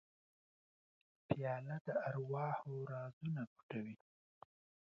پیاله د ارواحو رازونه پټوي.